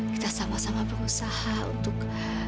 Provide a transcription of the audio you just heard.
kita sama sama berusaha untuk